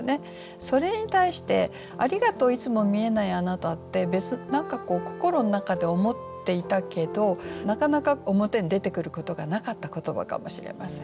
それに対して「ありがとういつも見えないあなた」って何かこう心の中で思っていたけどなかなか表に出てくることがなかった言葉かもしれません。